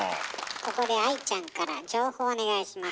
ここで愛ちゃんから情報をお願いします。